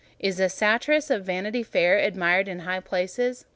Is the satirist of "Vanity Fair" admired in high places?